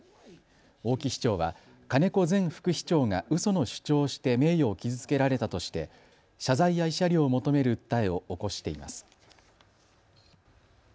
大木市長は、金子前副市長がうその主張をして名誉を傷つけられたとして謝罪や慰謝料を求める訴えを起こしています。